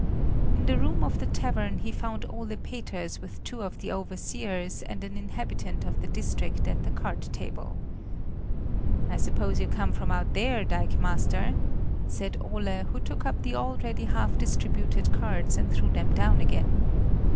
In the room of the tavern he found Ole Peters with two of the overseers and an inhabitant of the district at the card table. "I suppose you come from out there, dikemaster?" said Ole, who took up the already half distributed cards and threw them down again.